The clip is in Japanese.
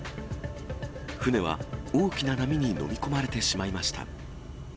船は大きな波に飲み込まれてしまいました。